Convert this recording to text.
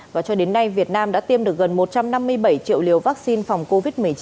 và cho đến nay việt nam đã tiêm được gần một trăm năm mươi bảy triệu liều vaccine phòng covid một mươi chín